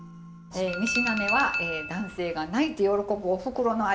え三品目は男性が泣いて喜ぶおふくろの味！